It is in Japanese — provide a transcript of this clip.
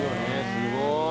すごーい。